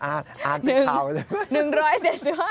อ่านอ่านเป็นเท่าใช่ไหม